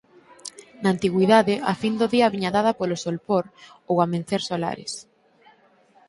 Na antigüidade a fin do día viña dada polo solpor ou o amencer solares.